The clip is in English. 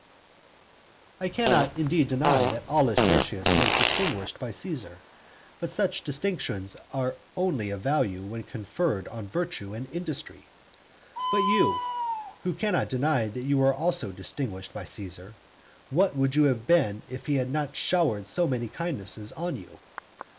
[lacuna]" I cannot indeed deny that Aulus Hirtius was distinguished by Caesar, but such distinctions are only of value when conferred on virtue and industry. But you, who cannot deny that you also were distinguished by Caesar, what would you have been if he had not showered so many kindnesses on you?